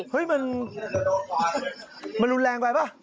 เฮ้ยมันมันรุนแรงกว่าป่ะ